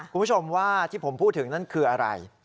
คุณผู้ชมว่าที่ผมพูดถึงนั่นคืออะไร